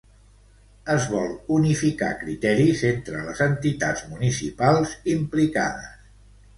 Es vol unificar criteris entre les entitats municipals implicades.